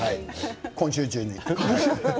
今週中に。